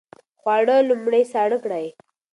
خواړه لومړی ساړه کړئ.